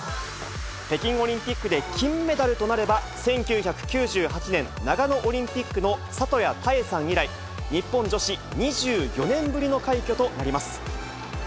北京オリンピックで金メダルとなれば、１９９８年、長野オリンピックの里谷多英さん以来、日本女子２４年ぶりの快挙となります。